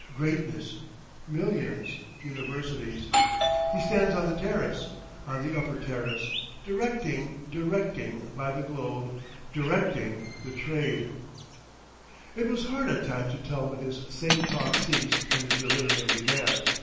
"Greatness....Millions... Universities.... He stands on the terrace—on the upper terrace—directing—directing—by the globe—directing—the trade." It was hard at times to tell when his sane talk ceased and his delirium began.